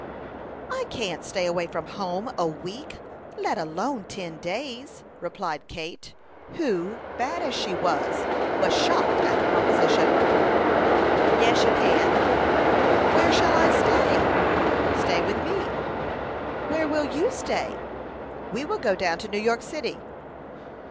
"I can't stay away from home a week, let alone ten days," replied Kate, who, bad as she was, was shocked at the proposition. "Yes, you can." "Where shall I stay?" "Stay with me." "Where will you stay?" "We will go down to New York city."